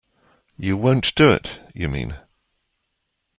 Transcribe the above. You won't do it, you mean?